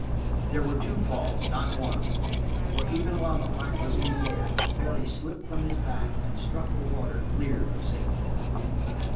There were two falls, not one, for even while the black was in the air Barry slipped from his back and struck the water clear of Satan.